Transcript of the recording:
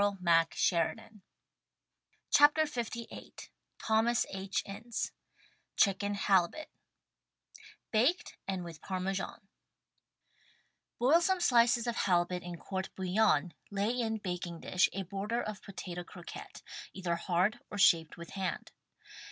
THE STAG COOK BOOK Lvni Thomas H, Ince CHICKEN HALIBUT {Baked and with Parmesan) Boil some slices of halibut in court bouillon, lay in baking dish a border of potato croquette — either hard or shaped with hand.